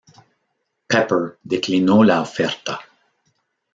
Pepper declinó la oferta.